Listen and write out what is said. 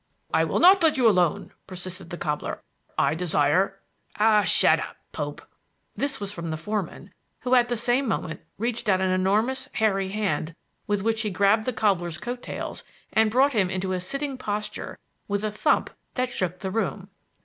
"I will not let you alone," persisted the cobbler. "I desire " "Oh, shut up, Pope!" This was from the foreman, who, at the same moment, reached out an enormous hairy hand with which he grabbed the cobbler's coat tails and brought him into a sitting posture with a thump that shook the room.